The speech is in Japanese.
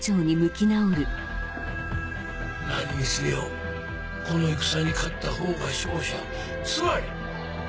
何にせよこの戦に勝ったほうが勝者つまり。